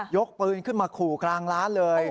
กปืนขึ้นมาขู่กลางร้านเลย